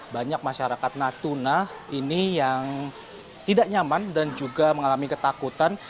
banyak masyarakat natuna ini yang tidak nyaman dan juga mengalami ketakutan